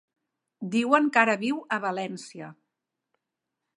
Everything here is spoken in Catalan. Diuen que ara viu a València.